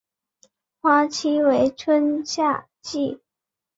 花期为春夏季。